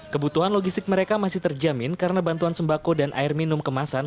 kebutuhan logistik mereka masih terjamin karena bantuan sembako dan air minum kemasan